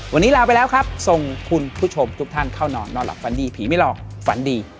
วันนี้ลาไปแล้วครับส่งคุณผู้ชมทุกท่านเข้านอนนอนหลับฝันดีผีไม่หลอกฝันดี